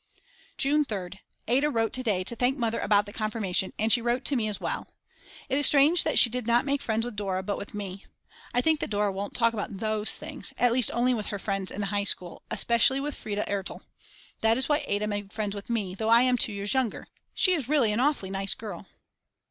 June 3rd. Ada wrote to day to thank Mother about the confirmation and she wrote to me as well. It is strange that she did not make friends with Dora but with me. I think that Dora won't talk about those things, at least only with her friends in the high school, especially with Frieda Ertl. That is why Ada made friends with me, though I am 2 years younger. She is really an awfully nice girl.